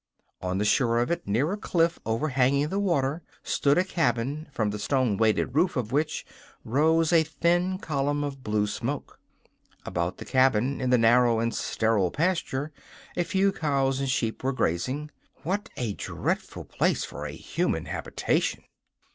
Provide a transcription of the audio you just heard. On the shore of it, near a cliff overhanging the water, stood a cabin, from the stone weighted roof of which rose a thin column of blue smoke. About the cabin, in the narrow and sterile pasture, a few cows and sheep were grazing. What a dreadful place for a human habitation!